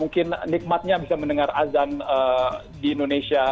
mungkin nikmatnya bisa mendengar azan di indonesia